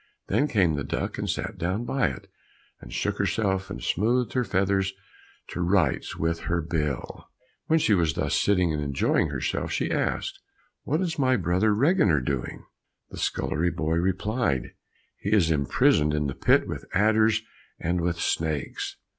Then came the duck and sat down by it, and shook herself and smoothed her feathers to rights with her bill. While she was thus sitting and enjoying herself, she asked, "What is my brother Reginer doing?" The scullery boy replied, "He is imprisoned in the pit with adders and with snakes."